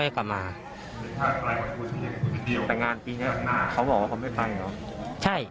แต่งานปีนี้เขาบอกว่าเขาไม่ไปเหรอใช่